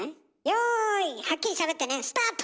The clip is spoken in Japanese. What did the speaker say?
「用意はっきりしゃべってねスタート！」